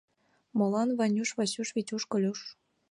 — Молан Ванюш, Васюш, Витюш, Колюш.